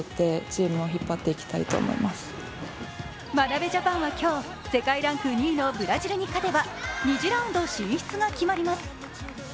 眞鍋ジャパンは今日、世界ランク２位のブラジルに勝てば２次ラウンド進出が決まります。